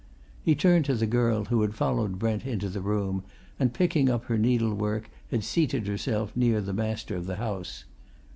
He turned to the girl, who had followed Brent into the room and, picking up her needlework, had seated herself near the master of the house.